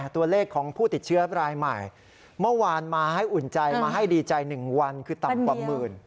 ตัวเลขของผู้ติดเชื้อรายใหม่เมื่อวานมาให้อุ่นใจมาให้ดีใจ๑วันคือต่ำกว่าหมื่น